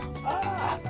ああ